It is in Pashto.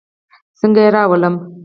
څنګه يې راوړم.